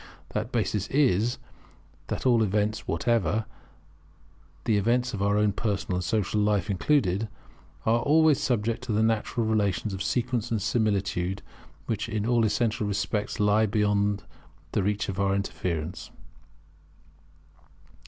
That basis is, that all events whatever, the events of our own personal and social life included, are always subject to natural relations of sequence and similitude, which in all essential respects lie beyond the reach of our interference.